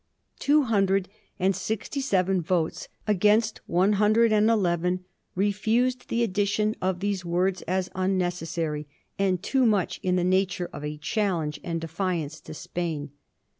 Two hundred and sixty seven votes, against one hundred and eleven, refused the addition of these words as unnecessary, and too much in the nature of a challenge and defiance to Spain.